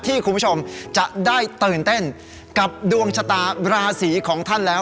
คุณผู้ชมจะได้ตื่นเต้นกับดวงชะตาราศีของท่านแล้ว